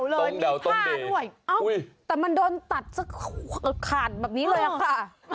ตรงแด่วเลยมีผ้าด้วยแต่มันโดนตัดซะขาดแบบนี้เลยค่ะ